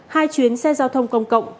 hai chuyến xe giao thông công cộng